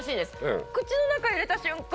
口の中入れた瞬間